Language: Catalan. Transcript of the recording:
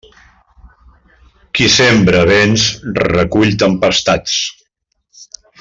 Qui sembra vents, recull tempestats.